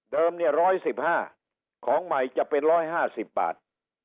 เดิมเนี่ยร้อยสิบห้าของใหม่จะเป็นร้อยห้าสิบบาท